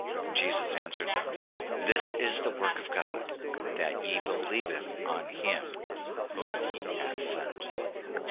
Jesus answered them, " This is the work of God, that ye believe on him whom he hath sent.